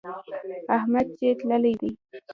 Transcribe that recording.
احمد چې تللی دی.